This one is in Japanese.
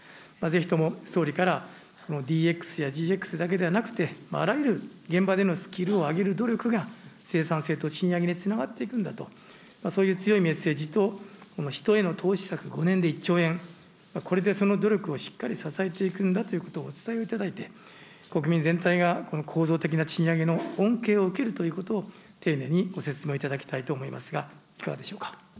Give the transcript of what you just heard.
ぜひとも、総理から、ＤＸやＧＸだけではなくて、あらゆる現場でのスキルを上げる努力が、生産性と賃上げにつながっていくんだと、そういう強いメッセージと、人への投資策、５年で１兆円、これでその努力をしっかり支えていくんだということをお伝えをいただいて、国民全体がこの構造的な賃上げの恩恵を受けるということを、丁寧にご説明いただきたいと思いますが、いかがでしょうか。